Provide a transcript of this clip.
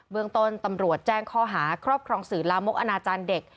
เมืองต้นตำรวจแจ้งข้อหาครอบครองสื่อลามกอนาจารย์เด็ก